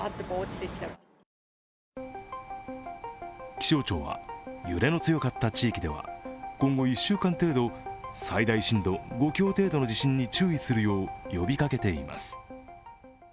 気象庁は揺れの強かった地域では今後１週間程度、最大震度５強程度の地震に注意するよう呼びかけています。